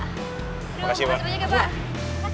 terima kasih banyak pak